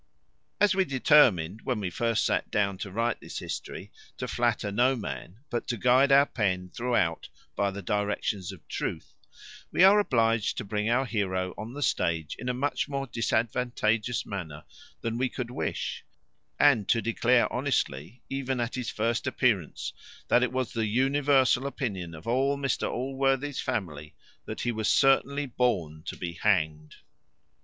As we determined, when we first sat down to write this history, to flatter no man, but to guide our pen throughout by the directions of truth, we are obliged to bring our heroe on the stage in a much more disadvantageous manner than we could wish; and to declare honestly, even at his first appearance, that it was the universal opinion of all Mr Allworthy's family that he was certainly born to be hanged.